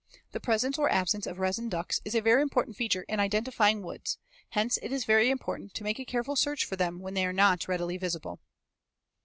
The presence or absence of resin ducts is a very important feature in identifying woods, hence it is very important to make a careful search for them when they are not readily visible.